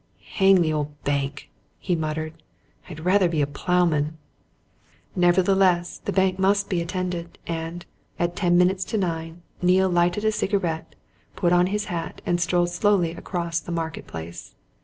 "Hang the old bank!" he muttered. "I'd rather be a ploughman!" Nevertheless, the bank must be attended, and, at ten minutes to nine, Neale lighted a cigarette, put on his hat, and strolled slowly across the Market Place.